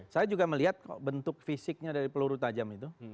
saya juga melihat bentuk fisiknya dari peluru tajam itu